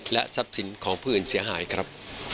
และทรัพย์สินของผู้อื่นเสียหายครับ